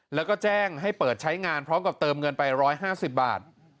แล้วก็แจ้งให้เปิดใช้งานพร้อมกับเติมเงินไป๑๕๐บาท